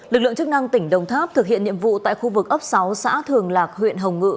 lực lượng chức năng tỉnh đồng tháp thực hiện nhiệm vụ tại khu vực ấp sáu xã thường lạc huyện hồng ngự